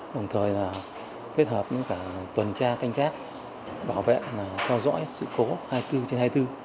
đồng thời là kết hợp với cả tuần tra canh gác bảo vệ theo dõi sự cố hai mươi bốn trên hai mươi bốn